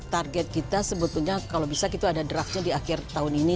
target kita sebetulnya kalau bisa kita ada draftnya di akhir tahun ini